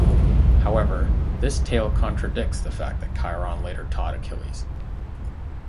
However, this tale contradicts the fact that Chiron later taught Achilles.